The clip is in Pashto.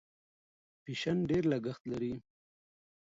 فیشن ډېر لګښت لري.